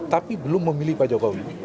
tapi belum memilih pak jokowi